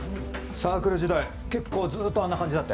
サークル時代結構ずっとあんな感じだったよ。